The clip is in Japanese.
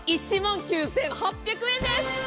１万９８００円です！